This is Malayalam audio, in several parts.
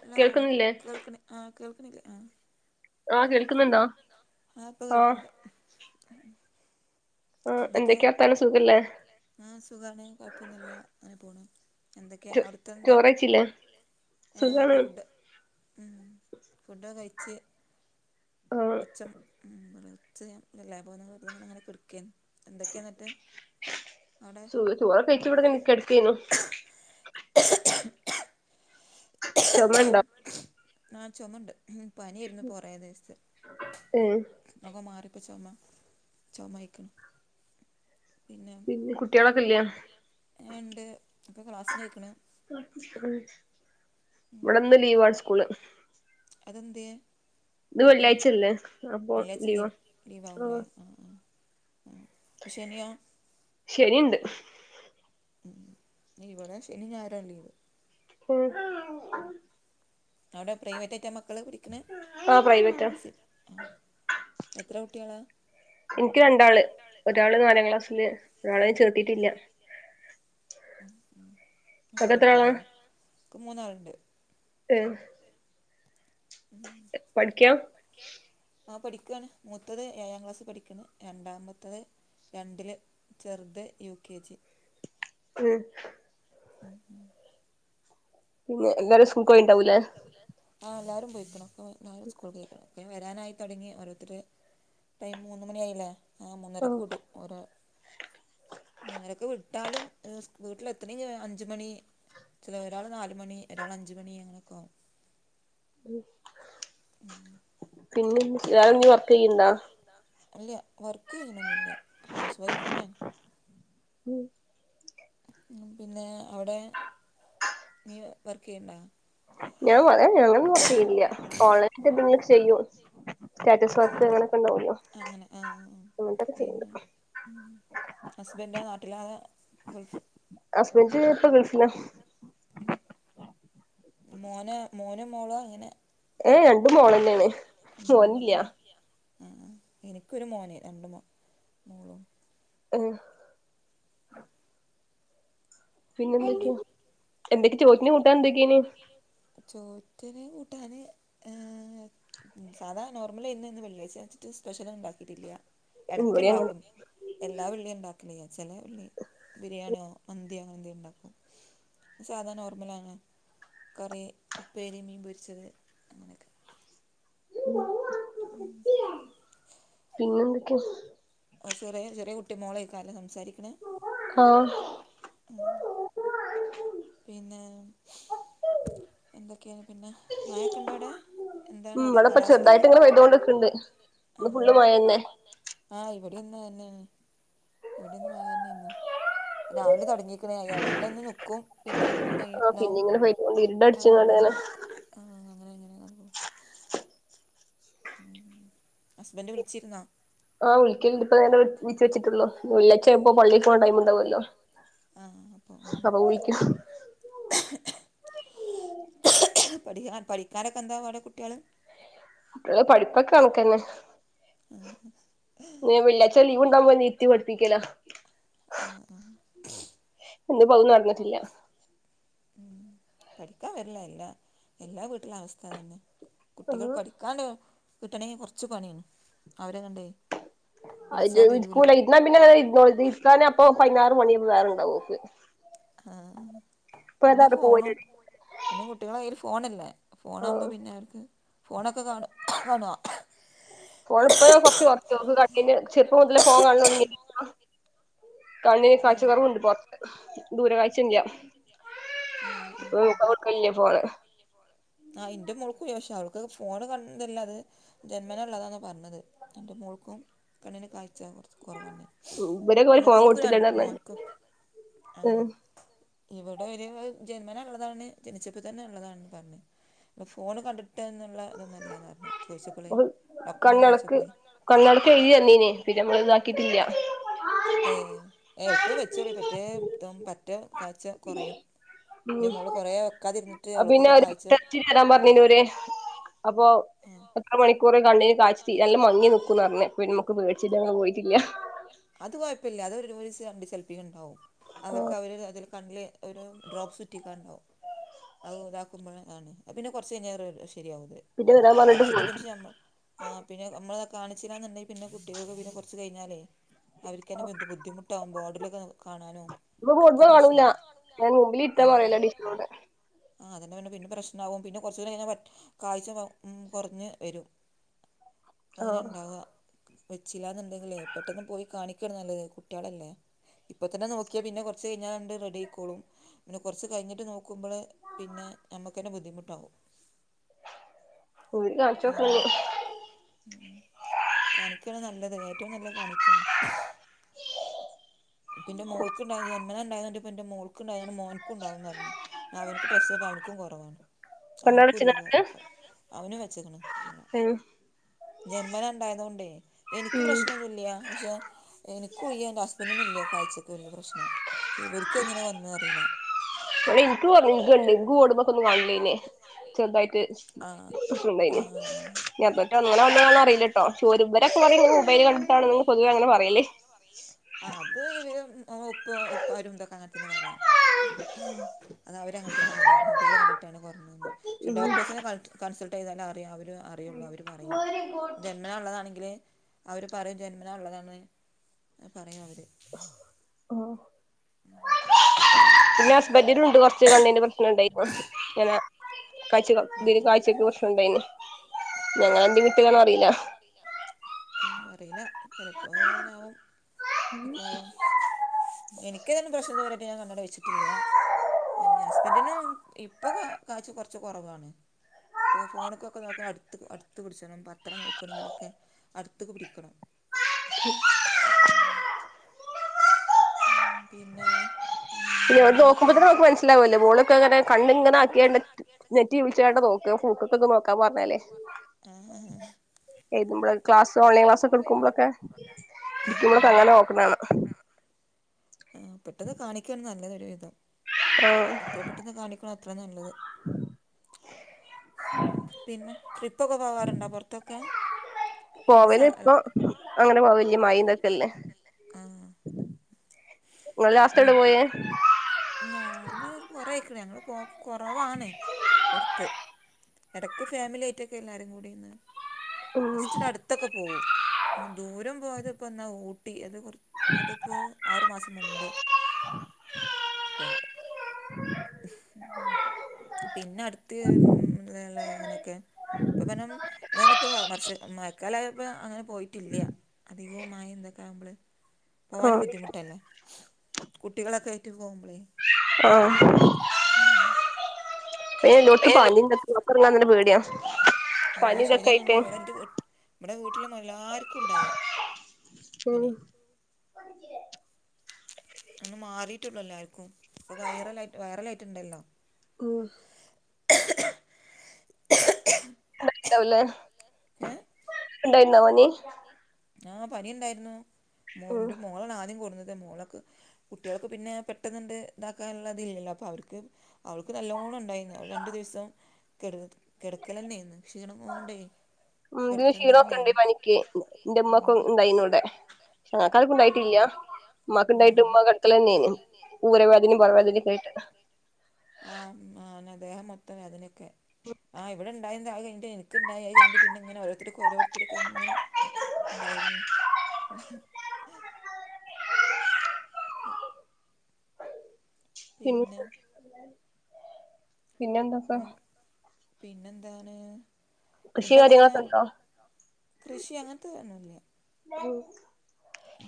ഹലോ കേൾക്കുന്നില്ലേ കേൾക്ക്ണ് ആ കേൾക്ണ്ല്ലേ ആഹ് ആഹ് ആ കേൾക്കുന്നുണ്ടോ കേൾക്ണണ്ടോ ആ ഇപ്പൊ ആഹ് കേൾക്ണ്ട് ആ ആ എന്തൊക്കെവർതാനം സുഖല്ലേ ആഹ് സുഖാണ് കൊഴപ്പൊന്ന്ല്ല അങ്ങനെപോണ് എന്തെക്കെ ചോ അവ്ട്ത്തെന്താ ചോറയ്ച്ചില്ലേ ചോറെയ്ച്ചില്ലെ ഏഹ് സുഖാണ് ക്കെ ഫുഡ് ഉം. ഫുടൊക്കെ കഴിച്ച്. ആഹ് കൊച്ചം ഉം [unintelligible] ഇല്ലെ പോകുന്നത്ങ്ങനെ അങ്ങനെക്കെട്ക്കെ എന്തൊക്കെ എന്നിട്ട്? അവിടെ ചോറ് ചോറകയ്ച്ചിവ്ടെങ്ങനെ കെട്കെനു ചൊമണ്ടോ ആ ചൊമണ്ട് പനേയ്ര്ന്നു പ്പ കൊറേ ദിവസം ഉം. ഒക്കെ മാറിപ്പൊ ചൊമ ചൊമയ്ക്ക്ണ് പിന്നെ കുട്ടികളൊക്കെ ഇല്ലേ ട്ട്യാളെക്കെല്ലെ ഏണ്ട് ഒക്കെ ക്ലാസ്സിനൊയ്ക്ക്ണ് ഉം ഇവടെന്ന്ലീവാണ് സ്കൂള് അതെന്തേ? ഇന്ന് വെള്ളിയാഴ്ചല്ലേ അപ്പൊ വെള്ളിയാഴ്ച ലീവാ ലീവ് ലീവാവുലെ ആഹ് അഹ് അഹ് അഹ് അപ്പ ശെനിയോ? ശനിണ്ട് ഇവടെ ശെനിംഞായറുആണ് ലീവ്. [inaudible] മം അവിടെ പ്രൈവറ്റായിറ്റാ മക്കള്പഠിക്ക്ണ് ആഹ് പ്രൈവറ്റാ സ് എത്രകുട്ടിയാളാ? ഇൻക്ക് രണ്ടാള് ഒരാള് നാലാംക്ലാസ്സില് ഒരാളെ ചേർത്തിട്ടില്ല. ഇങ്ങക്കെത്ര ആളാ ചെറിയകുട്ടിയാളാണ് ഇൻക്മൂന്നാൾണ്ട്. ഹെഹ് പഠിക്കാ [unintelligible] പടി ആഹ് പഠിക്കാണ് മൂത്തത്ഏഴാം ക്ലാസ്പഠിക്കാണ് രണ്ടാമത്തത് രണ്ടില് ചെർത് യു കെ ജി ഹെഹ് [inaudible] പിന്നെ എല്ലാരും സ്കൂൾക്കോയീണ്ടാവുല്ലേ? ആ എല്ലാരും പോയ്ക്ക്ണ് ഒക്കെപോ എല്ലാവരും സ്കൂൾക്ക് പൊയ്ക്ക്ണ് ഒക്കെവെരാനായി തുടങ്ങിഓരോർത്തർ ട്ടയ്മ്മ് മൂന്ന്മണിആയില്ലേ ആഹ് മൂന്നരക്ക് വുടും ഓരേ മൂന്നരക്ക് വിട്ടാലും ഹ്സ് വീട്ടിലെത്തെണെങ്കിൽ അഞ്ച്മണി ച്ല് ഒരാൾ നാല്മണി ഒരാളഞ്ച്മണി അങ്ങനൊക്കാവും. [inaudible] [inaudible] പിന്നെന്തി വേറെന്തെലും വർക്കെയ്ണ്ടോ? അല്ല്യാ വർക്ക്യ്യ്ണൊന്നുല്ല ഹൗസ് വൈഫെന്നെന്നാ [inaudible] പിന്നെ അവുടെ നീ വർക്കെയ്യ്ണ്ടോ? ഞാവ [unintelligible] ഏഹെ ഞാൻ വർക്കെയ്യ്ണില്ല ഓൺലൈനായിട്ട് എന്തെങ്കിലുംചെയ്യും. സ്വർക്ക് അങ്ങനൊക്കെഇണ്ടാവും. അങ്ങനെ ആഹ് പിന്നെ ഹസ്ബന്റോ നാട്ടിലാതോ ഗൾഫ് ഹസ്ബന്റ് ഇപ്പൊഗൾഫില. മം മോന് മോനും മോളാങ്ങനെ ഏഹെ രണ്ടും മോളെന്നെണ് മോനില്ല്യാ. മം ഇനിക്കൊരു മോന് രണ്ട് മോ മോളും. ഇഹ് [inaudible] പിന്നെന്തൊക്കെ പിന്നെ എന്തൊക്കെ ചോറ്റിന് കൂട്ടാൻന്തൊക്കെയ്നി? ചോറ്റിന് കൂട്ടാന് ഏഹ് സാധാനോർമലായിര്ന്നു ഇന്ന് വെള്ളിയായിച്ചിട്ട് സ്പെഷ്യലൊന്നും ഇണ്ടാക്കീട്ടില്ല്യാ. ഇവിടേം അങ്ങനെ എടക്ക്ണ്ടാക്കും നീ എല്ലാ വെള്ളിഇണ്ടാക്കലില്ല ചെലെ വെള്ളി ബിരിയാണിയോ മന്തിയോ അനെന്തേലും ഇണ്ടാ സാധാനോർമലാണ്. കറി, ഉപ്പേരി, മീൻപൊരിച്ചത് അങ്ങനൊക്കെ. [unintelligible] [unintelligible] പിന്നെന്തൊക്കെയാ? ഓഹ് ചെറിയചെറിയ കുട്ടി മോളേക്കാരി അല്ലേ സംസാരിക്ക്ണേ ആഹ് മം പിന്നെ എന്തൊക്കെയാണ് പിന്നെ മഴൊക്കെണ്ടോവിടെ എന്താണ് അവിടെ കാലാവസ്ഥൊക്ക? ണ്ട് ഇന്ന് ഫുള്ള് മഴന്നെ. ആഹ് ഇവിടെന്നാ തന്നെയാണ് ഇവിടെന്ന് മായതന്നെയ്ന് രാവിലെ തുടങ്ങിക്കണ് അത് ലെന്ന് ന്ക്കും. പിന്നെ പിന്നും ആഹ് പെയ്യണ്ടാവും പിന്നിങ്ങനെ പെയ്തോണ്ട് ആ ഇരുണ്ടടിച്ച്ങ്ങാണ്ട് പൈ ഇങ്ങനെ ആ അങ്ങനെ എങ്ങനെയ ഹസ്ബൻഡ് വിളിച്ചിരുന്നോ? ആഹ് വിളിക്കൽണ്ട് ഇപ്പതന്നെ വിളച്ച് വച്ചിട്ടുള്ളൂ [unintelligible] ചെലപ്പോ പള്ളി പോവാൻ ടൈം ഉണ്ടാവല്ലോ ആഹ് ആഹ് അപ്പൊ കുളിക്ക പഠിക്കാൻ പഠിക്കാനൊക്കെ എന്താ പാട് കുട്ടികള് കുട്ടികളെ പഠിപ്പൊക്കെ കണക്കന്നെ പഠിപ്പക്കണക്കെന്നെ ഞ്ചേ ലീവ്ണ്ടാകുമ്പോ അനിയത്തി പഠിപ്പിക്കലാ ആഹ് ആഹ് എന്ത് പകു ന്ന്‌പ്പത് നട്ന്നിട്ടില്ല. പഠിക്കാൻ വരില എല്ലാ എല്ലാ വീട്ടിലെ അവസ്ഥ അതെന്നെ കുട്ടികൾ ആഹ് പഠിക്കാണ്ട് കിട്ടണെങ്കിൽ കൊർച്ച് പണിയാണ്. അവരങ്ങണ്ടെ അയിറ്റങ്ങൾ ഇരിക്കൂല ഇര്ന്നാ പിന്നെ അങ്ങനെ ഇരുന്നോളും ഇത് ഇരിക്കാന് അപ്പൊ പയിനാറ് പണിയപ്പോ വേറെണ്ടാവും ഓക്ക് ആഹ് ഇപ്പ പിന്നെ ഏതാണ്ട് ഫോണും പോവലാണ് പിന്നെ കുട്ടികളേ കയ്യിൽ ഫോണല്ലേ. ഫോണകുമ്പോ ആഹ് പിന്നെ അവർക്ക് ഫോണൊക്കെ കാണ കാണൊ ഫോണ് ഇപ്പെയെ കൊർച്ച് കുർച്ച് കണ്ടിനു ചെറപ്പം മുതലേ ഫോൺ കാണല് തൊട്ങ്ങ കണ്ണിന് കാഴ്ച ആഹ് കുറവുണ്ട് പോ ദൂരെ കാഴ്ചല്ലാ. ആഹ് അവൾക്ക് ല്യ ഫോണ് ആഹ് ഇന്റെ മോൾക്കൂ ദോഷ്വാ അവൾക്ക് ഫോണ് കണ്ടില്ലാതെ ജന്മനാള്ളതാന്നപർഞ്ഞത് എന്റെ മോൾക്കും കണ്ണിന് കാഴ്ച കൊർച്ച് കൊറവുണ്ട് ഇവരൊക്കെ ഓന് ഫോൺ മൂത്തോൾക്കു കൊടുത്തിട്ടാണ് പറഞ്ഞാണ്ട് മോൻക്കും. ആഹ് ഉം ഇവിടെ ഒരു ജന്മനാള്ളതാണ് ജനിച്ചപ്പ തന്നെള്ളതാണ് പറഞ്ഞ്. ഒ. ഫോണ് കണ്ടിട്ട്ന്ന്ള്ള തൊന്നുല്ലാന്ന് പർഞ്ഞ്. [unintelligible] കണ്ണടക്ക് കണ്ണേടക്ക് എഴുതി തന്നീനി. പിന്നെ നമ്മള് ഇതാക്കിട്ടില്ല. ഏ. എൾപ്പം വെച്ചോളി. പറ്റേ തും പറ്റ കാഴ്ച കൊറയും. ഉം. അത് പിന്നെ അവൾക്കിപ്പോൾ ഒരു കാഴ്ച ട്ടെർച്ചി തരാം കുറഞ്ഞു പറഞ്ഞീനോര് അപ്പൊ ആഹ് എത്ര മണിക്കൂറ് കണ്ണിന് കാഴ്‌ച് തീ നല്ല മങ്ങി ന്ക്കുംന്ന് പർഞ്ഞ് കുഞ്ഞ്മു. ക്ക് പേടിച്ചിട്ടാ [unintelligible] പോയിട്ടില്ല. അത് കൊഴപ്പില്ല. അത് ഒരു [unintelligible] സേ രണ്ടിസേ എൽപില്ണ്ടാവും. അവർക്ക് ആഹ് അവര് ര്അതില്- കണ്ണില് ഒരു ഡ്രോപ്പ്സുറ്റിക്കാൻണ്ടാവും. അഅ് താക്കുമ്പള് ആണ്. അത് പിന്നെ കൊറച്ച് കയ്ഞ്ഞ റെ ശെരിയാവുംത്. പിന്നെ വരാൻ പറഞ്ഞിട്ട് പോയ്. ആ പിന്നെ അമ്മള് കാണിച്ചിലാന്ന്ണ്ടെങ്കില് പിന്നെ കുട്ടികൾക്ക് പിന്നെ കൊറച്ച് കഴിഞ്ഞാലേ. അവർക്കന്നെ ബുദ്ധ് ബുദ്ധിമുട്ടാവുമ്പൊ ഓർഡിലൊക്ക കാണാനും ഇപ്പൊ ഒക്കെ ഫുട്ബോൾ കാണൂല പ്രശ്നാവും. ഞാൻ മുമ്പിലിരിക്കാൻ പറയല്ണ്ട് ഇരിക്ക്നോട് ആ അതന്നെ പിന്നെ പിന്നെ പ്രശ്നാവും. പിന്നെ കുറച്ചൂടെ കഴിഞ്ഞ പ കാഴ്ച ഉം കൊർഞ്ഞ് വെരും. [inaudible] അങ്ങനെ ഉണ്ടാവാ വെച്ചില്ലാന്നുണ്ടെങ്കിലേ പെട്ടെന്ന് പോയി കാണിക്കാണ് നല്ലത് കുട്ടികളല്ലേ ഇപ്പ തന്നെ നോക്കിയാ പിന്നെ കൊർച്ച് കഴിഞ്ഞാണ്ട് റെഡി ആയിക്കോളും. പിന്നെ കൊർച്ച് കയ്ഞ്ഞിട്ട് നോ- ക്കുമ്പള് പിന്നെ നമ്മുക്കന്നെ ബുദ്ധിമുട്ടാവും. ഓര് ആ കാണിച്ചോക്ക്ണ്ട് കാണിക്കാണ് നല്ലത് ഏറ്റവും നല്ല കാണിക്കണം [inaudible] പിന്നെ മോൾക്ക്ണ്ടായ ജന്മനാണ്ടായണ്ട് പിന്റെ മോൾക്ക് ഉണ്ടായതണ്ട് മോൻക്കുംണ്ടാവുംന്ന് പറഞ്ഞ്. അവൻക്ക് ടെസ്റ്റ് ചെയ്തപ്പൊ അവൻക്കും കൊറവാണ്. അവെനിക്കും ഇല്ലേത്. കണ്ണടച്ച്ങ്ങാണ്ട് അവനു വെച്ചേക്ക്‌ ണ്. ഉം ജന്മനണ്ടായതുക്കൊണ്ടേ എനിക്ക് ഉം പ്രശ്നമൊ ന്നില്ല. പക്ഷെ ഇനിക്കുല്ല ഇന്റെ ഹസ്ബൻഡിനുല്ല കാഴ്ചക്ക് വെല്യ പ്രശ്നം. ക്ഷേ ഇവെരിക്ക് എങ്ങനെ വന്നെന്നറിയില്ല. ഇവെടെ എനിക്ക് വർണനൊ ഇങ്കൊണ്ട്. ഇങ്കുക്കൂടുമ്പോക്ക ഒന്ന് വള്ളിനെ ചെറുതായ്ട്ട്. ആ ആ [unintelligible] ഞങ്ങക്കങ്ങന വന്നതാണോന്ന് അറില്ലട്ടോ. ചെലവരെക്കെ പറയും ഇങ്ങനെ മെബൈൽ കണ്ടിട്ടാണ് ന്ന് പൊതുവെ അങ്ങെനെ പറയല്. ആഹ് അത് ഇവ ഉപ്പ ഉപ്പാരു തൊക്കെ അങ്ങനെത്തന്നെ പറയ. അത് അവെരങ്ങനെത്തന്നെ പറയു. മെബൈല് കണ്ടിട്ടാണ് കൊറഞ്ഞൂന്ന്. പക്ഷെ ഉം ഡോക്ടേഴ്സിനെ കാണി കൺസൾട്ട് ചെയ്താലെ അറിയാ. അവര് അറിയൊള്ളൂ. അവര് പറയും. ജന്മനയൊള്ളതാണെങ്കില് അവര്. പറയും. ജന്മനാ ഉള്ളതാണ് പറയും അവെര്. ഓ പിന്നെ ഹസ്ബന്റി നൊണ്ട് കൊറച്ച് കണ്ണിന്റെ പ്രശ്നമൊണ്ടായിപ്പോങ്ങനെ. ആഹ് ആഹ്. കാഴ്ച്ചക. കാഴ്ച്ചക്ക് ഉണ്ടായിന് പ്രശ്നമൊണ്ടായിന്ന്. ഞങ്ങളെന്തേ വിട്ടതാണോ ഞങ്ങളന്റെ അറിയില്ല വിട്ട് കാണും അറിയില്ല. ആ അറിയില്ല. ചെലപ്പോ പോകാനാവും. [inaudible] എനിക്കതിനു പ്രശ്നയിതുവെരെയായിട്ട് ഞാൻ കണ്ണട വെച്ചിട്ടില്ല. എൻ ഹസ്ബൻ ന്റിനു ഇപ്പൊ ക കാഴ്ച്ച കൊറച്ച് കൊറവാണ്. ഇപ്പോ ഫോണൊക്കൊക്കെ നോക്ക അടുത്ത് അടുത്ത് പിടിച്ചോണം പത്രം നോക്കണങ്കിലൊക്കെ. അടുത്തേക്ക് പിടിക്കണം ഉം പിന്നെ പിന്നെ, നോക്കുമ്പത്തന്നെ പിന്നെന്തൊക്കെയാണ് മ്മ ക്ക് മനസിലാകുലേ. മോളിപ്പയങ്ങനെ കണ്ണിങ്ങനെയാക്കിയാണ്ട് നെ ത്തി വിളിച്ചയൊടനെ നോക്ക്‌ പൂക്കക്കൊക്കെയൊന്ന് നോക്കാൻ പറഞ്ഞാല്. ആഹ് എടുക്കുമ്പൊ ഴേ. ക്ലാസ്സ്, ഓൺലൈൻ ക്ലാസ്സൊക്കെയെടുക്കുപ്പോളൊക്കെ ആഹ് ആഹ് ഇരിക്കുമ്പോഴെക്കെയങ്ങെന നോക്ക്‌ ണേന്ന് ആ പെട്ടെന്ന് കാണിക്കയാണ് നല്ലതൊരു വിധം. ആഹ് എത്ര പെട്ടെന്ന് കാണിക്കണോഅ ത്ര നല്ലെത്. പിന്നെ ട്രിപ്പൊക്കെ പോകാറുണ്ടോ പൊറത്തൊക്കെ? പോവലിപ്പൊ അങ്ങെനെ പോവല്യ. വെല്യമയയി തൊക്കെല്ലെ ആഹ് ഇങ്ങള് ലാസ്റ്റ് ഉ എവിടെ പോയേ ഞാന് കൊറയ് ക്കണ് ഞങ്ങള് പോം. കൊറവാണ്. പൊർത്ത് എടക്ക് ഫാമിലിയായിട്ടെക്കെയെല്ലാരും കൂടിന്ന്. ഉം ജസ്റ്റ്ഒരു അടുത്തൊക്കെ പോകും. അങ്ങ് ദൂരം പോയതിപ്പൊ യെന്നാ ഊട്ടി അത് കൊറ അതിപ്പോ ആറു മാസം മുമ്പ്. പോയേ. പിന്നെ അടുത്ത് ളൊള്ള അങ്ങനെയെക്കെ. ഇപ്പപ്പന്നം ദേനിപ്പം വർഷ മഴക്കാലായപ്പ അങ്ങനെ പോയിട്ടില്ല്യാ. അധികവും മയയിതൊക്കെയാകുമ്പള് പോകാനും ആഹ് ബുദ്ധിമുട്ടല്ലേ. കുട്ടികളെക്കെയായിറ്റ് പോമ്പളേ. ആഹ് ഓ. ഉം അയ്ന് ഏ എല്ലോട്ത്തും പനിം രുസൈസ് ഇതൊക്കെ പനിയൊണ്ട്. പൊറത്തെറങ്ങാൻ തന്നെ പേടിയാ പൊറത്തിറങ്ങാത്തന്നെ പ്പേടിയാ. ആ പനി ഇതൊക്കെ ശെരിന്നെയാണ്. ആയിട്ട് ഇവെടെൻ്റെ വീട് ഇവടെ വീട്ടിലും എല്ലാർക്കുണ്ടായി. ആഹ് ഒന്ന് മാറിട്ടുള്ളെല്ലാർക്കും. ഇപ്പ വയറലായി വയറലായിട്ടൊണ്ടല്ലോ. കു യൊണ്ടാവില്ല. ഏ? ഉണ്ടാരുന്നോ പനി?. ആഹ് പനിയൊണ്ടായിരുന്നു. ഉം മോന്റെ മോളാണ് ആദ്യം കൂടുന്നത് മോളെക്ക്. കുട്ടികൾക്ക് പിന്നെ പെട്ടെന്നിണ്ടിതാക്കാനൊള്ളതില്ല ല്ലോ. അപ്പൊ അവർക്ക് അവൾക്ക് നല്ലോണ ണ്ടായിന്നു. അവെള് രണ്ടു ദിവ്സം കെ കെടക്കലന്നെയായിന്ന്. ക്ഷീണം കൊണ്ടേ ഉം ഇതിന് കെടത്തം ക്ഷീണൊക്കെ ഇണ്ട് തന്നെയാരുന്നു. പനിക്ക് പണിക്ക് ഇന്റെ ഇമ്മക്കും ഇണ്ടായിന്നു എന്റെമ്മയ്ക്കും ഇവിടെ വൈയിന്നുക്കൂടെ. നാട്ടാർക്കു വൈകിട്ടില്യാ. ഉമ്മാക്കൊണ്ടായിട്ട് ഉമ്മാ കെടക്കല് തന്നെയന്. ഊര വേദനയും പൊറവേദനക്കെയായിട്ട്. ആഹ് ആഹ് ന്ന ദേഹം മൊത്തം വേദനയൊക്കെ ആ ഇവിടെയു ഉണ്ടായി അതുകഴിഞ്ഞ് എനിക്കുണ്ടായി അതുകഴിഞ്ഞു പിന്നിങ്ങനെ ഓരോത്തർക്ക് ഒരോർത്തർ ക്ക് ഇങ്ങനെ ഉണ്ടായിരുന്നു എഹ് [inaudible] പിന്ന പിന്നെ [inaudible] പിന്നെ എന്താ സം പിന്നെന്താണ് കൃഷി ഫുഡൊക്കെ എങ്ങനെ, കാര്യങ്ങളൊക്കെ ഇണ്ടോ കൃഷി അങ്ങനത്തെ ഒന്നും ഇല്ല ഉം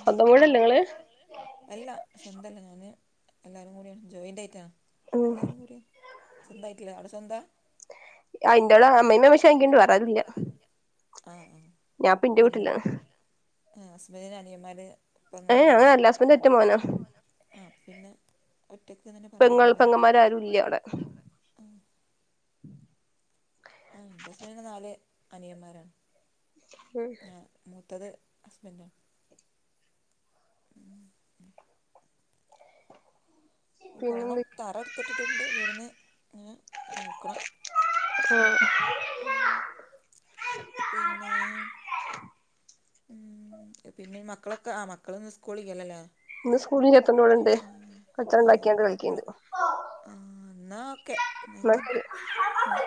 സ്വന്തം വീടല്ലേ നിങ്ങള് അല്ല സ്വന്തമല്ല ഞാൻ എല്ലാവരും കൂടിയാണ് ജോയിൻ്റ് ആയിട്ടാണ് ഉം എല്ലാരും കൂടി സ്വന്തമായിട്ടില്ല അവിടെ സ്വന്തമാ ആഹ് ഇന്താടാ അമ്മ ഇന്ന് വിഷായിക്കുണ്ട് വേറാരുമില്ല ആഹ് ആഹ് പിന്നെ വീട്ടിലാണ് ആഹ് ഹസ്ബൻഡ്ന് അനിയന്മാര് ഏഹ് അഹ് അല്ല ഹസ്ബൻ [unintelligible] ആഹ് പിന്നെ ഒറ്റക്ക് തന്നെ പെങ്ങൾ പറയാലല്ലേ പെങ്ങന്മാരാരും ഇല്ല അവിടെ ഉം ആ എന്റെ ഹസ്ബൻഡിന് നാല് അനിയന്മാരാണ് ഞാൻ മൂത്തത് ഹസ്ബൻഡാണ് ഉം ഉം ഉം പോണം പിന്നെന്ത് തറ എടുത്തിട്ടിട്ടുണ്ട് വീടുന്ന് നോക്കണം [inaudible] ആഹ് പിന്നെ ഉം പിന്നെ മക്കളൊക്കെ ആ മക്കളിന്ന് സ്കൂളില്ലല്ലോ ല്ലേ ഇന്ന് സ്കൂളിൽ ഇല്ലതോണ്ട്‌ ഇവിടെണ്ട്‌ കച്ചറ ആ ഇണ്ടാക്കിക്കണ്ട് എപ്പളാ കളിക്ക്ണ്ട്‌ ആ എന്നാൽ ഓക്കെ എന്നായ്ക്കോ ശരി ആ